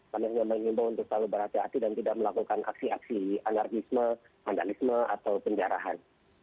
kami hanya mengimbau untuk selalu berhati hati dan tidak melakukan aksi aksi anarkisme vandalisme atau penjarahan